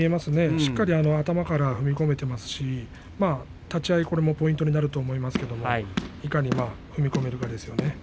しっかり頭から踏み込めていますし立ち合いポイントになると思いますがいかに立ち合えるかですね。